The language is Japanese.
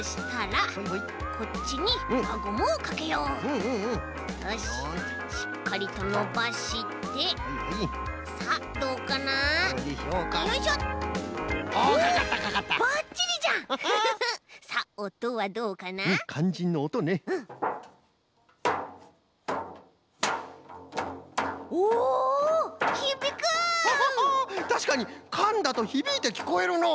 たしかにかんだとひびいてきこえるのう。